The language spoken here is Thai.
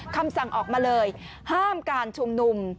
คำสั่งออกมาเลยห้ามการชุมนุม